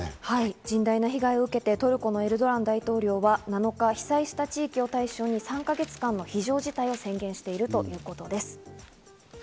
甚大な被害を受けて、トルコのエルドアン大統領は７日、被災した地域を対象に３か月間の非常事態を宣言しているということです。